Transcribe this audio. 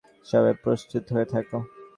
সবাই প্রস্তুত হয়ে থাকো!